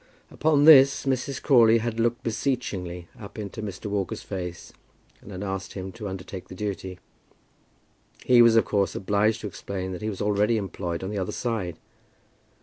Upon this Mrs. Crawley had looked beseechingly up into Mr. Walker's face, and had asked him to undertake the duty. He was of course obliged to explain that he was already employed on the other side.